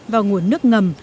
vào nguồn nước ngầm